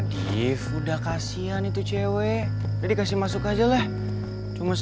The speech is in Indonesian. biarin orang masuk dong please